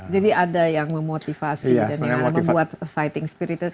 jadi ada yang memotivasi dan membuat fighting spirit